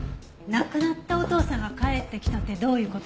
亡くなったお父さんが帰ってきたってどういう事？